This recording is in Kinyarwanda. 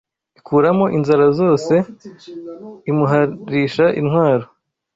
Ikuramo inzara zose imuharisha intwaro